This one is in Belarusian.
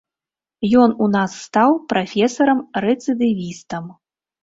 Ён у нас стаў прафесарам-рэцыдывістам.